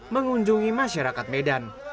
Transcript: mengunjungi masyarakat medan